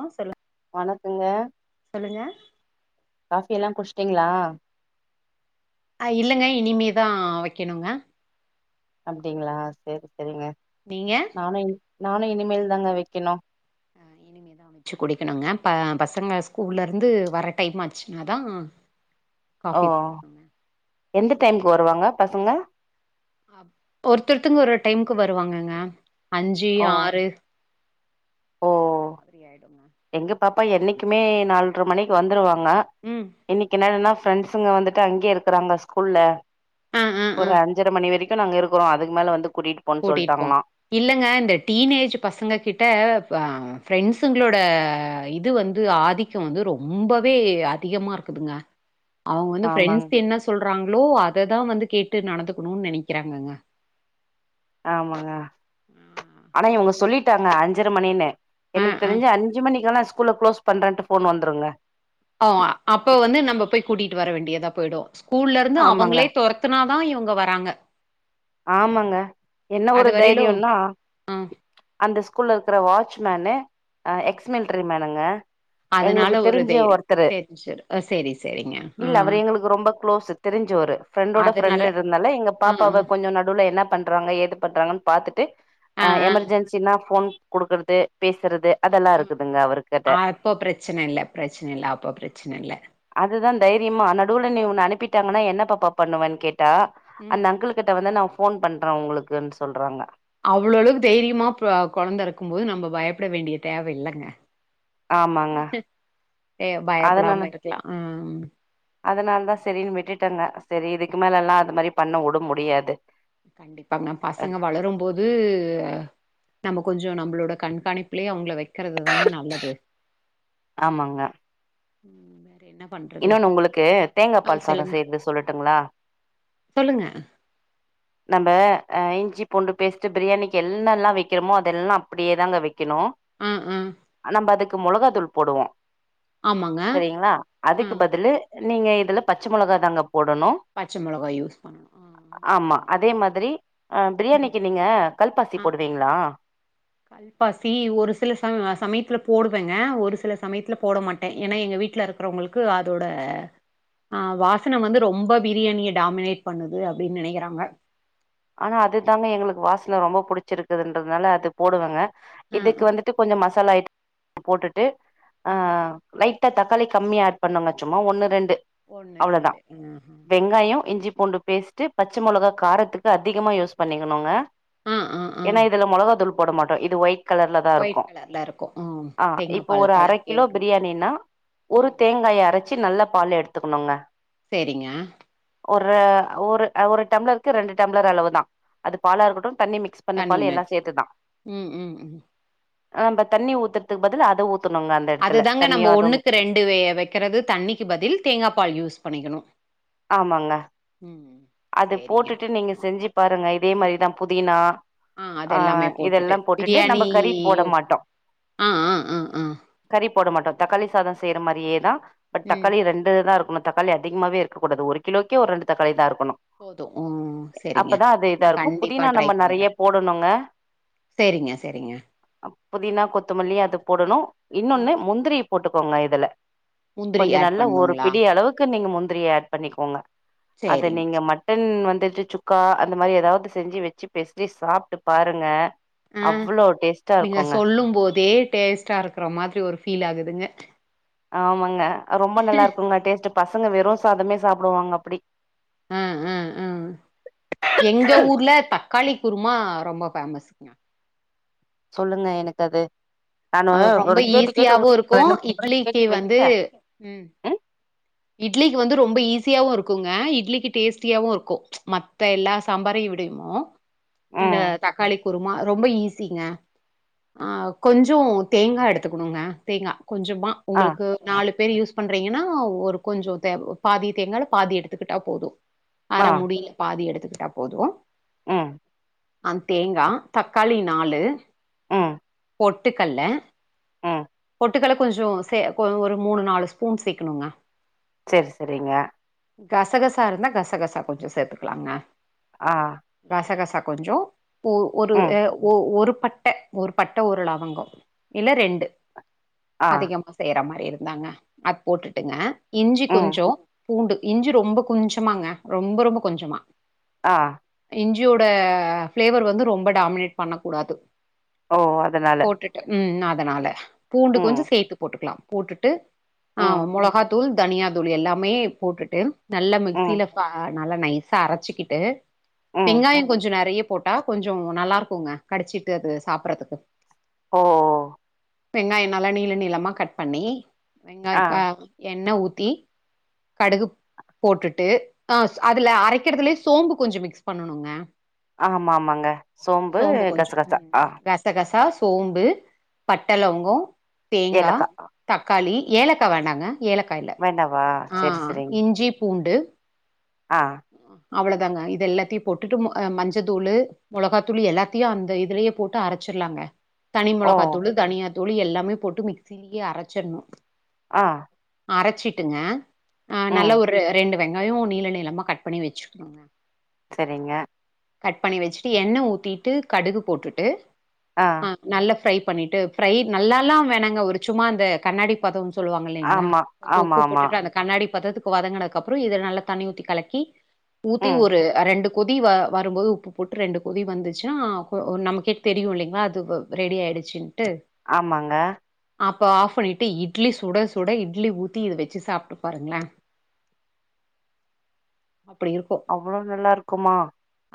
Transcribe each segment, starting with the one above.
ஆ சொல்லு வணக்குங்க சொல்லுங்க காபி எல்லா குச்ட்டீங்களா அ இல்லங்க இனிமேதா வைக்கணுங்க அப்டிங்களா சரி சரிங்க நீங்க நானு நானு இனிமே தாங்க வைக்கணு [unintelligible] இனிமேதா வச்சு குடிக்கணுங்க ப பசங்க ஸ்கூல்ல இருந்து வர டைம் ஆச்சுனாதா ஓ காஃபி போடணுங்க எந்த டைம்முக்கு வருவாங்க பசங்க அ ஒருத்தருத்துங்க ஒரு டைமுக்கு வருவாங்கங்க அஞ்சு ஓ ஆறு ஓ அந்த மாரி ஆயிடும்ங்க எங்க பாப்பா என்னைக்குமே நால்ரை மணிக்கு வந்துருவாங்க ம் இன்னைக்கு என்னடன்னா ஃப்ரெண்ட்ஸுங்க வந்துட்டு அங்கேயே இருக்கிறாங்க ஸ்கூல்ல ஆ ஆ ஆ ஒரு அஞ்சரை மணி வரைக் நாங்க இருக்குரோ அதுக்கு மேல வந்து கூட்டிட்டு போன்னு கூட்டிட்டுப்போம் சொல்ட்டாங்களா இல்லங்க இந்த டீனேஜ் பசங்க கிட்ட அ ஃப்ரெண்ட்ஸுங்களோட இது வந்து ஆதிக்க வந்து ரொம்பவே அதிகமாக இருக்குதுங்க அவங்க வந்து ஆமாங் பிரெண்ட்ஸ் என்ன சொல் சொறாங்களோ அததா வந்து கேட்டு நடந்துக்கணும்னு நெனைக்கிறாங்கங்க ஆமாங்க ஆனா இவங்க சொல்லிட்டாங்க அஞ்சர மணின்னு அ எனக்கு அ தெரிஞ்ச அஞ்சு மணிக்கெல்லா ஸ்கூல்ல கு்ளோஸ் பண்றேன்ட்டு போன் வந்துருங்க ஓ போய்டு ஸ்கூல்லருந்து ஆமாங்க அவங்களே தொரத்துனாதா இவங்க வராங்க ஆமாங்க என்ன ஒரு அது வரையிலு தைரியம்னா அந்த ஸ்கூல்ல இருக்கற வாட்ச்மேனு எக்ஸ் மிலிட்ரி மேனுங்க அதனால எங்களுக்கு ஒரு தெரிஞ்ச தைரி ஒருத்தரு தெரிஞ்சிரு சேரி சேரிங்க இல்ல ம் அவரு எங்களுக்கு ரொம்ப குளோஸ் தெரிஞ்ச ஒரு பிரண்டோட அதனால பிரண்ட்ருந்தால எங்க ஆ பாப்பாவக்கு கொஞ்ச நடுவுல என்ன பண்றாங்க ஏது பண்றாங்கன்னு பாத்துட்டு ஆ ஆ ஆ எமர்ஜென்சிசா போன் குடுக்குறது பேசுறது அதெல்லா ம் இருக்குதுங்க அவர்கிட்ட அப்போ பிரச்சனை இல்ல பிரச்சனை இல்ல அப்போ பிரச்சனை இல்ல அதுதா தைரியமா நடுவுல நீ உன்ன அனுப்பிட்டாங்கன்னா என்ன பாப்பா பண்ணுவனு கேட்டா ம் அந்த அங்களுக்கு வந்து நா ஃபோன் பண்ணுறே உங்களுக்குன் சொல்கிறாங்க அவ்வளவுளவுக் தைரியமா கொழந்த இருக்கும் போது நம்ம பயப்பட வேண்டிய தேவ இல்லங்க ஆமாங்க ஏ அத நானு பயப்படாம இருக்கலா ம் ம் அதனால தா சரின்னு விட்டுட்டேங்க சேரி இதுக்கு மேலல்லா அது மாரி பண்ண வுட முடியாது கண்டிப்பாங்க அத் பசங்க வளரும்போது நம்ம கொஞ்ச நம்மளோட கண்காணிப்புலே அவங்க வை இருக்கிறது தாங்க நல்லது ஆமாங்க என்ன பண்றது இன்னொன்னு உங்களுக்கு தேங்கா ஆ பால் சாத சொல்லுங்க செய்யறது சொல்லட்டுங்களா சொல்லுங்க நம்ம ஆ இஞ்சி பூண்டு பேஸ்ட் பிரியாணிக்கு எல்லால்லா வைக்கிறமோ அதெல்லா அப்டியே தாங்க வைக் கணு ஆ ஆ நம்ம அதுக்கு மொளகா தூள் போடுவோ ஆமாங்க சரிங்களா ஆ அதுக்கு பதில்லு நீங்க இதுல பச்ச மெளகா தாங்க போடணு பச்ச மளகா யூஸ் பண்ணணு ஆ ஆமா சரிங்க அதே மாதிரி அ ம் பிரியாணிக்கு நீங்க கல்பாசி ஆ போடுவீங்களா கல்பாசி ஒரு சில சம் சமயத்துல போடுவேங்க ஒரு சில சமயத்துல போட மாட்டே ஏன்னா எங்க வீட்ல இருக்கிறவங்களுக்கு அதோட ஆ வாசன வந்து ரொம்ப பிரியாணிய டாமினேட் பண்ணுது அப்டின்னு நெனக்கிறாங்க ஆனா அதுதாங்க எங்களுக்கு வாசன ரொம்ப புடிச்சிருக்குதுன்றதுனால அது போடுவேங்க ஆ இதுக்கு ஆ வந்துட்டு கொஞ்சோ மசாலா ஐ போட்டுட்டு ஆ லை ட்டா தக்காளி கம்மியா ஆட் பண்ணுங்க சும்மா ஒண்ணு ரெண்டு ஒண்ணு அவ்ளோதா ரெண்டு ஆஹா வெங்காயொ இஞ்சி பூண்டு பேஸ்ட்டு பச்ச மெளகா காரத்துக்கு அதிகமா யூஸ் பண்ணிக்கணுங்க ஆ ஆ ஆ ஏன்னா இதுல மொளகா தூள் போட மாட்டோ இது ஒயிட் கலர்ல தா ஒயிட் இருக்கு கலர்ல இருக்கு ம் ஆ தேங்கா இப்போ பால் ஒரு அர கலர்க்கே கிலோ வரணு பிரியாணின்னா ஒரு ம் ம் தேங்காய அரச்சு நல்லா பால் எடுத்துக்கணுங்க சேரிங்க ஒரு ஒரு ஒரு டம்ளருக்கு ரெண்டு டம்ளர் அளவு தா அது பாலா இருக்கட்டு தண்ணி மிக்ஸ் தண்ணி பண்ணப்பாலு எல்லா மிக்ஸ் பண்ண சேத்துதா ம் ம் ம் ஆ ப தண்ணி ஊத்துறதுக்கு பதில் அத ஊ அது தாங்க நம்ப ஒண்ணுக்கு ரெண்டு வெ வைக்குறது தண்ணிக்கு பதில் தேங்கா பால் யூஸ் பண்ணிக்கணு ஆமாங்க அது சரிங்க. போட்டுட்டு நீங்க செஞ்சு பாருங்க இதே மாதிரிதா புதினா அது ஆ எல்லாமே இதெல்லா போட்டுட்டு பிரியாணி நம்ம கறி போட மாட்டோ ஆ, ஆ, ஆ, ஆ. கரிப் போட மாட்டோ தக்காளி சாதோ செய்ற மாரியே தா பட் ம். தக்காளி ரெண்டு தா இருக் ஆமா தக்காளி அதிகமாகவே இருக்க கூடாது ஒரு கிலோக்கே ஒரு ரெண்டு தக்காளி தா இருக்கணு போதும். ம். சரிங்க. அப்பதா அது இதா நான் இருக்கு கண்டிப்பா புதினா ட்ரை நம்ம நெறைய பண்றேன். போடணுங்க சரிங்க, சரிங்க. அ புதினா கொத்தமல்லி அது போடணு இன்னொன்னு ம். முந்திரி போட்டு கோங்க இதுல முந்திரி கொஞ்ச ஆட் நல்லா ஒரு பண்ணுங்களா? பிடி அளவுக்கு நீங்க முந்திரிய ஆட் பண்ணிக்கோங்க சேரிங்க ம் வந்துட்டு சுக்கா அந்த மாரி ஏதாவது செஞ்சு வெச்சு பெஸ்லி சாப்ட்டு பாருங்க அ அவ்ளோ டேஸ்ட்டா நீங்க இருக்குங்க சொல்லும் போதே டேஸ்ட்டா இருக்குற மாதிரி ஒரு ஃபீல் ஆகுதுங்க ஆமாங்க ரொம்ப நல்லா இருக்குங்க டேஸ்ட் பசங்க வெறு சாதமே சாப்டுவாங்க அப்டி அ அ அ எங்க ஊர்ல தக்காளி குருமா ரொம்ப ஃபேமசுங்க சொல்லுங்க எனக்கு அது நானு அது ரொம்ப ஒரு கேட்டு கேட்டு ஈஸியாவு இருக்கு ரெண்டு மூணு இட்லிக்கு முறகேட்டு வந்து வெச்சே ம் அ இட்லிக்கு வந்து ரொம்ப ஈஸியாவு இருக்குங்க இட்லிக்கு டேஸ்ட்டியாவு இருக்கு மத்த எல்லா சாம்பாரையு தெரியுமா இந்த ம் தக்காளி குறுமா ரொம்ப ஈஸிங்க ஆ கொஞ்சோ தேங்கா எடுத்துக்கணுங்க தேங்கா கொஞ்சமா ஆ உங்களுக்கு நாலு பேர் யூஸ் பண்றீங்கன்னா ஒரு கொஞ்சொ தே பாதி தேங்கால பாதி எடுத்துக்குட்டா போது அர ஆ முடியில பாதி எடுத்துக் க்ட்டா போது ம் அ தேங்கா தக்காளி நாலு ம் பொட்டுக்கல்ல ம் பொட்டு கள்ள கொஞ்சோ சே கு ஒரு மூணு நாலு ஸ்பூன் சேக்கணுங்க சரி சரிங்க கசகசா இருந்தா கசகசா கொஞ்சோ சேத்துக்லாங்க ஆ கசகசா கொஞ்சோ ஒ ஒரு ம் அ ஒ ஒரு பட்ட ஒரு பட்ட ஒரு லவங்கோ இல்ல ரெண்டு ஆ அதிகமா செய்ற மாதிரி இருந்தாங்க அது போட்டுட்டுங்க இஞ்சி ம் கொஞ்சோ பூண்டு இஞ்சி ரொம்ப கொஞ்சமாங்க ரொம்ப ரொம்ப கொஞ்சமா ஆ இஞ்சியோட ஃப்ளேவர் வந்து ரொம்ப டாமினேட் பண்ணக்கூடாது ஓ அதனால போட்டுட்டு ம் அதனால பூண்டு ம் கொஞ்சோ சேத்து போட்டுக்லா போட்டுட்டு ஆ ம் மொளகா தூள் தனியா தூள் எல்லாமே போட்டுட்டு நல்ல ம் மிக்சில ச நல்ல நைஸா அரச்சிக்கிட்டு ம் வெங்காயோ கொஞ்சோ நறைய போட்டா கொஞ்சோ நல்லாருக்கூங்க கடிச்சிட்டு அது சாப்றதுக்கு ஓ வெங்காயோ நல்லா நீள நீளமா கட் பண்ணி ஆ வெங்காயக்கா எண்ணெ ஊத்தி கடுகுப் போட்டுட்டு ஆஸ் அதுல அரைக்கிறதிலயே சோம்பு கொஞ்சோ மிக்ஸ் பண்ணணுங்க ஆமா ஆமாங்க சோம்பு கொஞ்சோ கசகசா ம் ஆ கசகசாஸ் சோம்பு பட்டலவங்கோ தேங்கா ஏலக்கா தக்காளி ஏலக்கா வேண்டாங்க ஏலக்கா இல்ல வேண்டாவா ஆ செரி செரிங் இஞ்சி பூண்டு ஆ அவ்ளோதாங்க இது எல்லாத்தியூ போட்டுட்டு மொ அ மஞ்ச தூளு மொளகாத்தூள் எல்லாத்தியூ அந்த இதுலேயே போட்டு அரச்சு ர்லாங்க தனி ஓ மொளகா தூளு தனியாத்தூளு எல்லாமே போட்டு மிக்சிலியே அரச்சிர்ணு ஆ அரச்சிட்டுங்க நல்லா ம் ஒரு ரெண்டு வெங்காயோ நீள நீளமாக கட் பண்ணி வச்சுக்ணுங்க செரிங்க கட் பண்ணி வெச்சுட்டு எண்ணெ ஊத்திட்டு கடுகு போட்டுட்டு ஆ நல்லா ஃப்ரை பண்ணிட்டு ஃப்ரை நல்லால்லா வேணாங்க ஒரு சும்மா அந்த கண்ணாடி பதோ சொல்வாங்க இல்லைங்களா ஆமா கொஞ்சோ ஆமா உப்பு ஆமா போட்டுட்டு அந்த கண்ணாடி பதத்துக்கு வதங்கினதுக்கப்றோ இது நல்லா தண்ணி ஊத்தி கலக்கி ஊத்தி ம் ஒரு அ ரெண்டு கொதி வ வரும்போது உப்பு போட்டு ரெண்டு கொதி வந்துச்னா கொ நமக்கே தெரியூ இல்லைங்ளா அது வ ரெடி ஆயிடுச்சுன் ஆமாங்க இப்ப ஆஃப் பண்ணிட்டு இட்லி சுட சுட இட்லி ஊத்தி இது வச்சு சாப்ட்டு பாருங்ளே அவ்ளோ நல்லாருக்குமா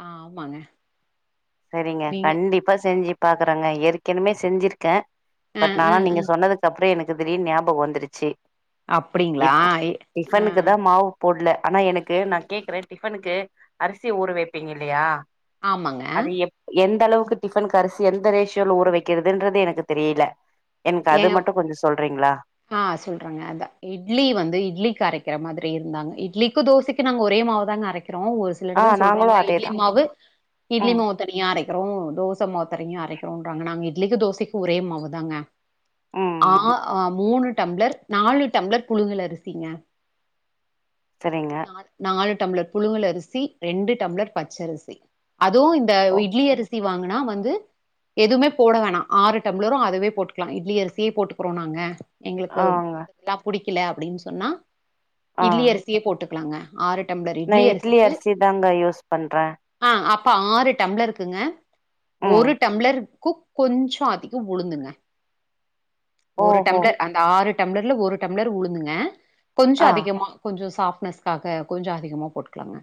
ஆ ஆமாங்க செரிங்க நீங்க கண்டிப்பா செஞ்சு பாக்குறேங்க ஏற்கெனமே செஞ்சிருக்கே அ பட் அ நானா அ நீங்க சொன்னதுக்கப்றோ எனக்கு திடீனு ஞாபகோ வந்துருச்சி அப்டிங்களா இப்ப ஆ டிஃபனுக்கு தா மாவு போட்ல ஆனா எனக்கு நா கேக்குற டிஃபனுக்கு அரிசி ஊற வைப்பீங்கல்லியா ஆமாங்க கு டிஃபன்கு அரிசி எந்த ரேஷியோல ஊற வக்கிறதுன்றது எனக்கு தெரில ஏங்க ஆ சொல்றங்க அதா இட்லி வந்து இட்லிக்கரைக்கிற மாதி ரி இருந்தாங்க இட்லிக்கூ தோசைக்கூ நாங்க ஒரே மாவு தா அரைக் கிறோ ஒரு சில ஆ எடத்துல நாங்களு சொல்றாங்க இட்லி அதேதா மாவு இட்லி ம் மாவு தனியா அரைக்கிறோ தோச மாவு தரிங்கியா அரைக்றோன்றாங்க நாங்க இட்லிக்கூ தோசைக்கூ ஒரே மாவுதாங்க ஆ ம் மூணு டம்ளர் நாலு டம்ளர் புழுங்கலரிசிங்க சரிங்க நாலு டம்ளர் புழுங்கல் அரிசி ரெண்டு டம்ளர் பச்சரிசி அதுவூ இந்த ஓ இட்லி அரிசி வாங்கின் னா வந்து எதுமே போட வேணா ஆறு டம்ளரூ அதுவே போட்டு க்லா இட்லி அரிசியே போட்டுக்குறோ நாங்க எங்களுக்கு ஆங்க மத்ததெல்லா புடிக்கல அப்டின் சொன்னா ஆ இட்லி அரிசியே போட்டுக்லாங்க ஆறு டம்ளர் நா இட்லி அரிசிக்கு அரிசி தாங்க யூஸ் பண்றே ஆ அப் ப ஆறு டம்ளருக்குங்க ம் ஒரு டம்ளருக்குக் கொஞ்சோ அதிகோ உளுந்துங்க ஒரு ஓஹோ டம்ளர் அந்த ஆறு டம்ளர்ல ஒரு டம்ளர் உளுந்துங்க கொஞ்ச ஆ அதிகமா கொஞ்ச சாஃப்ட்னஸ்காக கொஞ்ச அதிகமா போட்டுக்லாங்க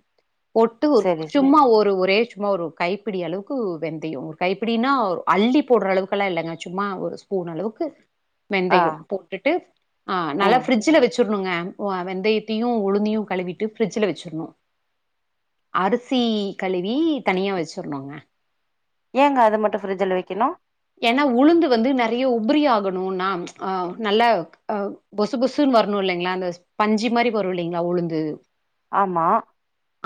ஒட்டு சரி சரி சும்மா ஒரு ஒரே சும்மா ஒரு கைப்பிடி அளவுக்கு வெந்தய ஒரு கைப்பிடினா ஒரு அள்ளி போடுற அளவுக்லா இல்லங்க சும்மா ஒரு ஸ்பூன் அளவுக்கு ஆ வெந்தய போட்டுட்டு அ நல்லா ம் ஃபிரிட்ஜ்ல வச்சு கனுங்க வ வெந்தயத்தையு உளுந்தையு கழுவிட்டு ஃபிரிட்ஜல வெச்சிர்ணு அரிசி கழுவி தனியா வெச்சர்னுங்க ஏங்க அது மட்டு ஃப்ரிட்ஜ்ல வெக்கணு ஏனா உளுந்து வந்து நெறைய உபரி ஆகணுனா அ நல்லா அ பொசு பொசுன் வர னு இல்லைங்ளா அந்த ஸ்பஞ்சி மாரி வரு இல்லைங்ளா உளுந்து ஆமா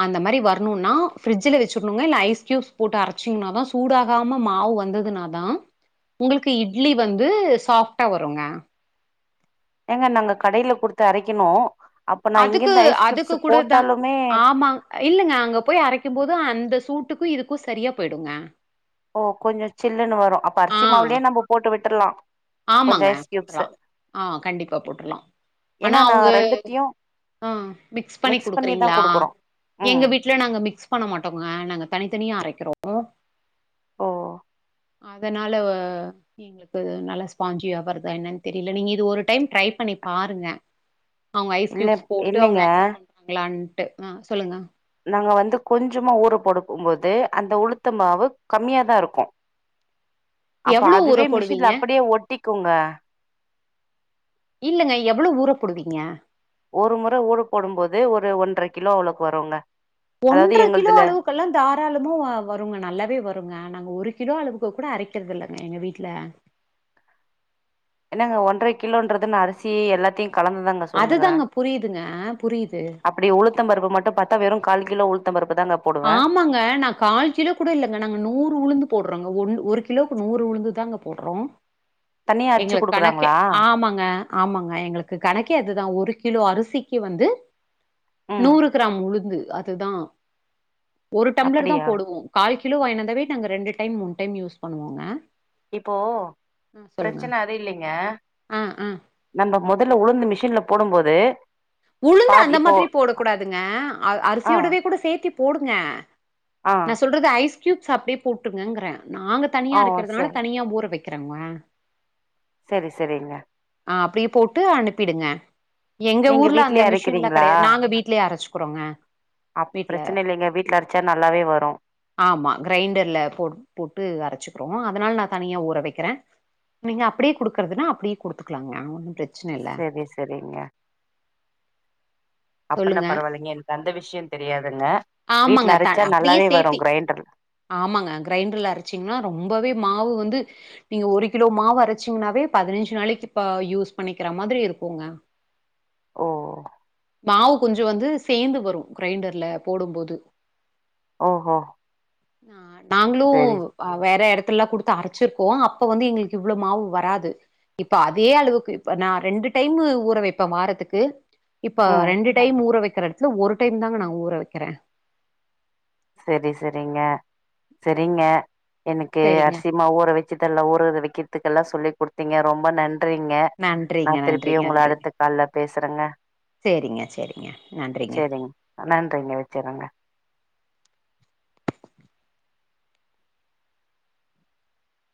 அந்த மாரி வரணுனா ஃபிரிட்ஜ்ல வச்சுர்னுங்க இல்ல ஐஸ் க்யூப்ஸ் போட்டு அரைச்சிங்னா தா சூடாகாம மாவு வந் துதுனாதா உங்ளுக்கு இட்லி வந்து சாஃப்ட்டா வருங்க ஏங்க நாங்க கடைல குடுத்து அரைக்கணு அப்ப நா அதுக்கு இங்கிருந்து ஐஸ் கியூப்ஸ் அதுக்கு கூட தா போட்டாலுமே ஆமாங் இல்லங்க அங்க போய் அரைக்கும் போது அந் த சூட்டுக்கு இதுக்கு சரியா போய்டுங்க ஓ கொஞ்ச சில்லுன்னு வரு அப்ப ஆ அரிசி மாவுலயே நம்ம போட்டு விட்டுர்லா கொஞ்சோ ஆமாங்க ஐஸ் கியூப்ஸ் போட்ரலா ஆ கண்டிப்பா போட்ரலா ஆனா ஏன்னா நா அவுங்க ரெண்டுத்தையு அ மிக்ஸ் பண்ணி பண்ணிதா குடுக்கறிங்ளா குடுக்குறோ எங்க ம் வீட்லயு நாங்க மிக்ஸ் பண்ண மாட்டோங்க நாங்க தனித்தனியா அரைக்கறோ ஓ அதனால வ எங்ளுக்கு நல்லா ஸ்பாஞ்சியா வருதா என்னனு தெரில நீங்க இது ஒரு டைம் ட்ரை பண் ணி பாருங்க அவுங்க ஐஸ் இல்ல க்யுப்ஸ் போட்டு அவுங்க இல்லைங்க அக்ஸப்ட் பண்றாங்ளான்ட்டு அ சொல்லுங்க நாங்க வந்து கொஞ்சமா ஊற போட போம்போது அந்த உளுத்த மாவு கம்மியா தா இருக்கு அப்போ எவ்ளோ ஊற அதுவே போடுவீங்க மிஷின்ல அப்படியே ஒட்டி குங்க இல்லங்க எவ்வளவு ஊற போடுவிங்க ஒரு முற ஊற போடும் போது ஒரு ஒன்ற கிலோ அளவுக் வருங்க ஒன்ற அதாவது கிலோ எங்கள்து அளவுக்கெலா தாராளமா வ வருங்க நல்லாவே வருங்க நாங்க ஒரு கிலோ அளவுக்கு கூட அரைக்கறதில்லங்க எங்க வீட்ல என்னங்க ஒன்ற கிலோன்றது என்ன அரிசி எல்லாத்தையு கலந்துதாங்க சொல்னுகிறே அதுதாங்க புரியுதுங்க, புரியுது. அப்டி உளுத்தம் பருப்பு மட்டு பாத்தா வெறு கால் கிலோ உளுத் ஆமாங்க நா கால் கிலோ கூட இல்லங்க நாங்க நூறு உளுந்து போடறோங்க ஒன் ஒரு கிலோக்கு நூறு உளுந்துதாங்க போடறோ தனியா அரச்சு எங்களுக்கு கணக்கே குடுக்குறாங்களா ஆமாங்க ஆமாங்க எங்களுக்கு கணக்கே அதுதா ஒரு கிலோ அரி சிக்கு வந்து ம் நூறு கிராம் உளுந்து அதுதா ஒரு டம்ளர் தா அப்டியா போடுவோ கால் கிலோ வாங்கினு வந்தாவே நாங்க ரெண்டு டைம் மூணு டைம் யூஸ் பண்ணுவோங்க இப்போ ஆ சொல்லுங்க. பிரச்சன அதில்லைங்க ஆ, ஆ. நம்ம மொதல்ல உளுந்து மிஷின்ல போடும்போது உளுந்து பாதி அந்த இப்போ மாதிரி போட கூடாதுங்க அ ஆ அரிசியோடவே கூட சேத்தி போடுங்க ஆ நா சொல்றது ஐஸ் கியூப்ஸ் அப்டியே போட்ருங்கங்றே நாங்க ஆ தனியா ஓ அரைக்றதுனால சரி தனியா ஊற வைக் கறங்க சரி சரிங்க அ அப்டியே போட்டு அனுப்பிடுங்க எங்க நீங்க ஊர்ல இங்க வீட்லயே மிஷின்லா அரைக்கிறீங்களா கெடையா நாங்க வீட்லயே அரைச்சுக்றோங்க அப் வீட்ல பிரச்சன இல்லைங்க வீட்ல அரச்சா நல்லாவே வரு ஆமா கிரைண்டர்ல போ போட்டு அரைச்சுக்றோ அதனால நா தனியா ஊற வெக்கற நீங்க அப்டியே குடுக்கறதுனா அப்டியே குடுத்துக்கலாங்க ஒன்னு பிர சரி சரிங்க அப்பனா சொல்லுங்க. பரவால்லைங்க எனக்கு அந்த விஷய தெரியாதுங்க ஆமாங்க வீட்ல த அரைச்சா அப்டியே நல்லாவே சேத்தி வரு கிரைண்டர் ஆமாங்க கிரைண்டர்ல அரைச்சிங்னா ரொம்பவே மாவு வந் து நீங்க ஒரு கிலோ மாவு அரைச்சிங்னாவே பதனஞ்சு நாளைக்கு இப்ப யூஸ் பண்ணிக்கிற மாதிரி இருக்குங்க ஓ மாவு கொஞ்ச வந்து சேந்து வரும் கிரைண்டர்ல போடும்போது ஓ ஒ ஆ நாங்களு வேற இடத் இடத்துல கொடுத்து அரைச்சிருக்கோ அப்ப வந்து எங்களுக்கு இவ்வளலோ மாவு வராது இப்ப அதே அளவுக்கு இப்ப நா ரெண்டு டைம் ஊற வைப்ப வாரதுக்கு இப்ப ம் ரெண்டு டைம் ஊற வைக்கிறயடடுத்துள்ள ஒரு டைம் தாங்க நா ஊற வைக்கிற சரி சரிங்க சரிங்க எனக்கு சரிங்க. அரிசிமா ஊற வச்சத எல்லா ஊற வைக்கிறதுக்கெல்லா சொல்லி் கொடுத்தீங்க ரொம்ப நன் றீங்க நா நன்றிங்க, திருப்பி நன்றிங்க, உங்கல நன்றிங்க. அடுத்த கால்ல பேசுறங்க சரிங்க, சரிங்க. நன்றிங்க. செரிங்க நன்றிங்க வச்சுறங்க